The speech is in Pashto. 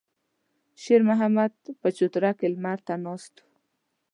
شېرمحمد په چوتره کې لمر ته ناست و.